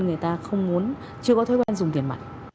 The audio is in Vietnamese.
người ta không chưa có thói quen dùng tiền mặt